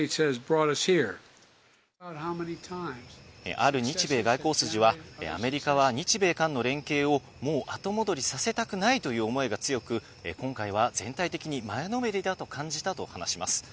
ある日米外交筋はアメリカは日米韓の連携を、もう後戻りさせたくないという思いが強く、今回は全体的に前のめりだと感じたと話します。